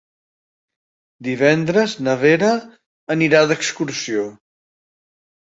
Divendres na Vera anirà d'excursió.